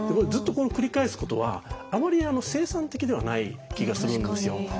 ずっとこれを繰り返すことはあまり生産的ではない気がするんですよ。